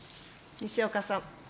西岡さん。